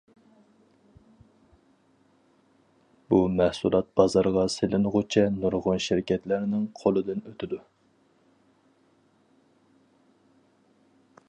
بۇ مەھسۇلات بازارغا سېلىنغۇچە نۇرغۇن شىركەتلەرنىڭ قولىدىن ئۆتىدۇ.